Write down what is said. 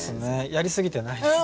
やりすぎてないですね。